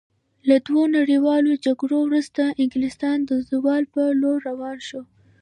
له دوو نړیوالو جګړو وروسته انګلستان د زوال په لور روان شو.